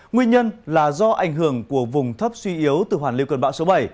nguyên nhân là do ảnh hưởng của vùng thấp suy yếu từ hoàn lưu cơn bão số bảy